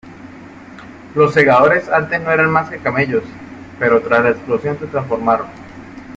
Los Segadores antes no eran más que camellos pero, tras la explosión, se transformaron.